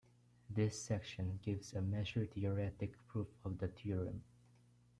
This section gives a measure-theoretic proof of the theorem.